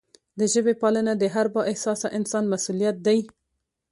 د ژبې پالنه د هر با احساسه انسان مسؤلیت دی.